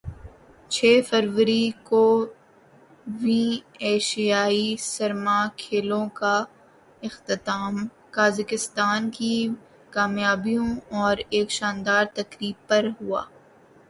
چھ فروری کو ویں ایشیائی سرما کھیلوں کا اختتام قازقستان کی کامیابیوں اور ایک شاندار تقریب پر ہوا